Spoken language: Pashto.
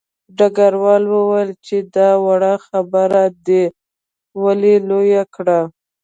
ډګروال وویل چې دا وړه خبره دې ولې لویه کړه